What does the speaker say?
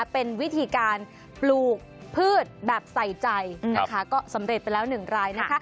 เป็นแบบไซไจก็สำเร็จเป็นแล้วหนึ่งรายนะคะ